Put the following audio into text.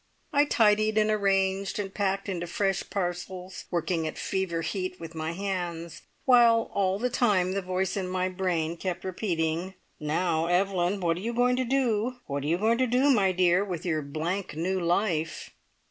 I tidied, and arranged, and packed into fresh parcels, working at fever heat with my hands, while all the time the voice in my brain kept repeating, "Now, Evelyn, what are you going to do? What are you going to do, my dear, with your blank new life?"